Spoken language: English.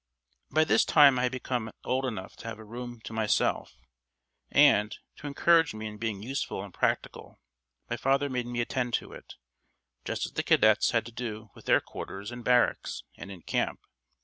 By this time I had become old enough to have a room to myself, and, to encourage me in being useful and practical, my father made me attend to it, just as the cadets had to do with their quarters in barracks and in camp.